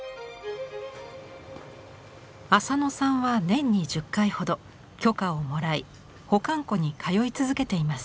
浅野さんは年に１０回ほど許可をもらい保管庫に通い続けています。